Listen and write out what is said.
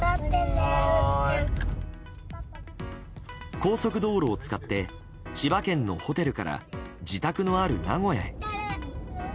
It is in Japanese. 高速道路を使って千葉県のホテルから自宅のある名古屋へ。